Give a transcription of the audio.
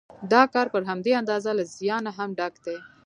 دا کار پر همدې اندازه له زیانه هم ډک دی